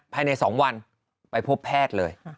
ภายใน๒วันไปพบแพทย์เลย